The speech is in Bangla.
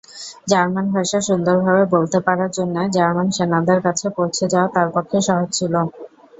জার্মান ভাষা সুন্দরভাবে বলতে পারার জন্যে জার্মান সেনাদের কাছে পৌছে যাওয়া তার পক্ষে সহজ ছিল।